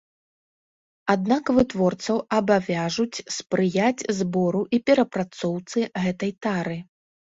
Аднак вытворцаў абавяжуць спрыяць збору і перапрацоўцы гэтай тары.